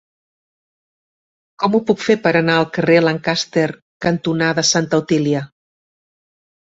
Com ho puc fer per anar al carrer Lancaster cantonada Santa Otília?